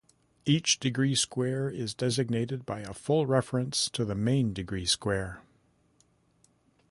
Each degree square is designated by a full reference to the main degree square.